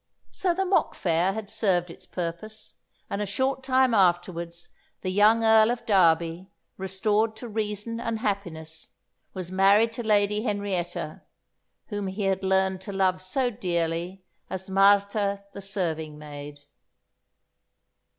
So the mock fair had served its purpose, and a short time afterwards the young Earl of Derby, restored to reason and happiness, was married to Lady Henrietta, whom he had learned to love so dearly as Martha the serving maid.